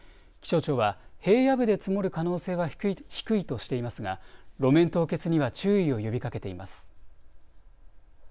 気象庁は平野部で積もる可能性は低いとしていますが路面凍結には注意を呼びかけています。